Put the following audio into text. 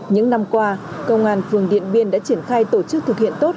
những năm qua công an phường điện biên đã triển khai tổ chức thực hiện tốt